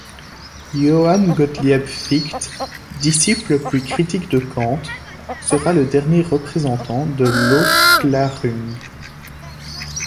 Johann Gottlieb Fichte, disciple puis critique de Kant, sera le dernier représentant de l'Aufklärung.